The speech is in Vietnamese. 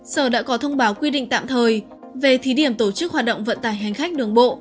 sở đã có thông báo quy định tạm thời về thí điểm tổ chức hoạt động vận tải hành khách đường bộ